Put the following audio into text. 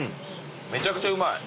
めちゃくちゃうまい。